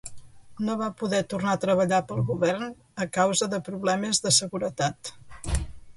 No va poder tornar a treballar pel govern a causa de problemes de seguretat.